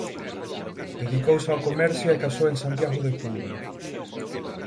Dedicouse ao comercio e casou en Santiago de Cuba.